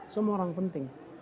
semua orang penting